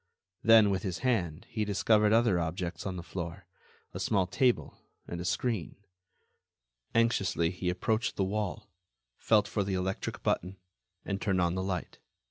Then, with his hand, he discovered other objects on the floor—a small table and a screen. Anxiously, he approached the wall, felt for the electric button, and turned on the light.